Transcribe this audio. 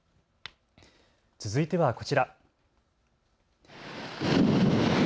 続いてはこちら。